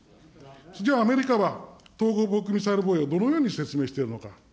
じゃあ、アメリカは統合防空ミサイル防衛をどのように説明しているのか。